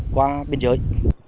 qua biên giới